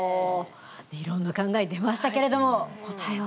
いろんな考え出ましたけれども、答えは？